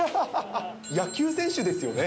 野球選手ですよね？